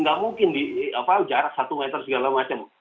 nggak mungkin di jarak satu meter segala macam